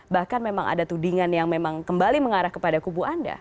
bahkan memang ada tudingan yang memang kembali mengarah kepada kubu anda